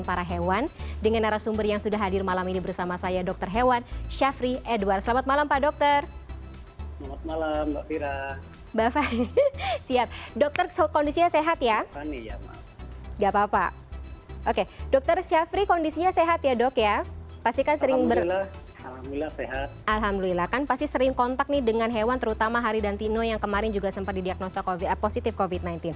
alhamdulillah kan pasti sering kontak nih dengan hewan terutama haridantino yang kemarin juga sempat didiagnosa positif covid sembilan belas